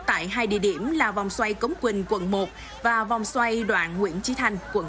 tại hai địa điểm là vòng xoay cống quỳnh quận một và vòng xoay đoạn nguyễn trí thanh quận tám